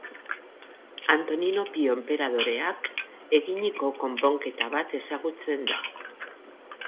Antonino Pio enperadoreak eginiko konponketa bat ezagutzen da.